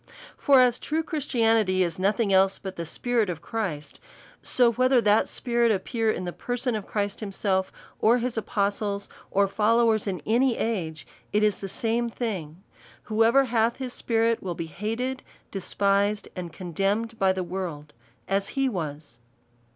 For as true Christianity is nothing else but the spi rit of Christ, so whether that spirit appear in the per son of Christ himself, or his apostles, or followers in any age, it is the same thing : whoever hath his spirit will be hated, despised, and condemned by the world as he was.